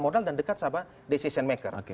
modal dan dekat sama decision maker